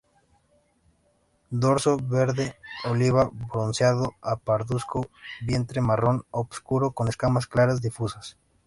Dorso verde oliva bronceado a pardusco; vientre marrón obscuro con escamas claras difusas.